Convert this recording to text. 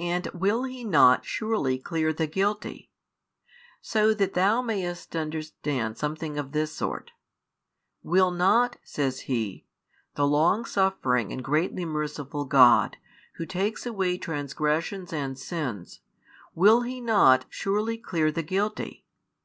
And will He not surely clear the guilty? So that thou mayest understand something of this sort: Will not, says He, the longsuffering and greatly merciful God, Who takes away transgressions and sins, will He not surely clear the guilty?